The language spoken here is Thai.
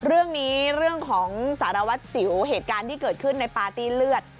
เรื่องของสารวัตรสิวเหตุการณ์ที่เกิดขึ้นในปาร์ตี้เลือด